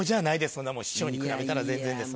そんなもう師匠に比べたら全然です